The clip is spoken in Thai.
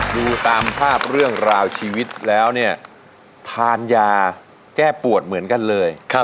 ดูตามภาพเรื่องราวชีวิตแล้วเนี่ยทานยาแก้ปวดเหมือนกันเลย